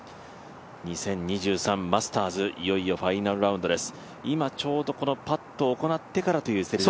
２０２３マスターズ、いよいよファイナルラウンドです。